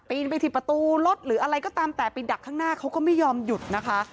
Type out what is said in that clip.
ไปที่ประตูรถหรืออะไรก็ตามแต่ไปดักข้างหน้าเขาก็ไม่ยอมหยุดนะคะ